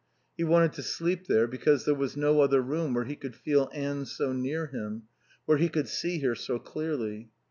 He wanted to sleep there because there was no other room where he could feel Anne so near him, where he could see her so clearly.